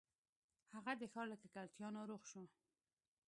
هغه د ښار له ککړتیا ناروغ شو.